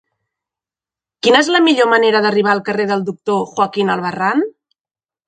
Quina és la millor manera d'arribar al carrer del Doctor Joaquín Albarrán?